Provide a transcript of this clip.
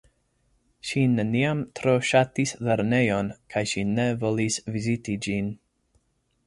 Ŝi neniam tro ŝatis lernejon kaj ŝi ne volis viziti ĝin.